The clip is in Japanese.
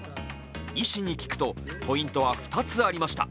医師に聞くと、ポイントは２つありました。